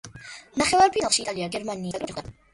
ნახევარფინალში იტალია გერმანიის ნაკრებს შეხვდა.